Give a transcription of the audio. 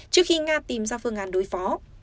trước khi nga tìm ra phương án đối phó